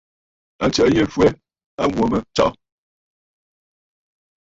Àtsə̀ʼə̀ yî fwɛ̀ a wo mə tsɔ̀ʼɔ̀.